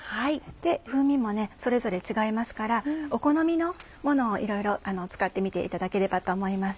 風味もそれぞれ違いますからお好みのものをいろいろ使ってみていただければと思います。